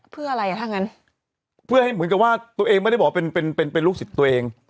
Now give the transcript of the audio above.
เพื่ออะไรอ่ะถ้างั้นเพื่อให้เหมือนกับว่าตัวเองไม่ได้บอกว่าเป็นเป็นลูกศิษย์ตัวเอง